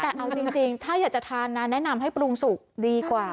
แต่เอาจริงถ้าอยากจะทานนะแนะนำให้ปรุงสุกดีกว่า